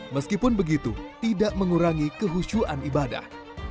meskipun begitu tidak mengurangi kehusuan ibadah